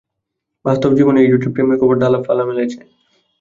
বাস্তব জীবনেও এই জুটির প্রেমের খবর ডালপালা মেলেছে।